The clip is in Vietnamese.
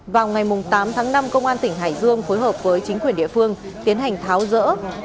vào ngày tám tháng năm công an tỉnh hải dương phối hợp với chính quyền địa phương tiến hành tháo rỡ